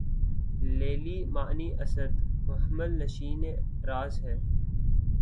لیلیِ معنی اسد! محمل نشینِ راز ہے